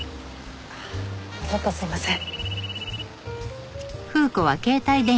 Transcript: ちょっとすいません。